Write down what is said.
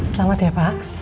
selamat ya pak